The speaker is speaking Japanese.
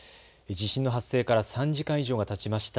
地震の発生から３時間以上がたちました。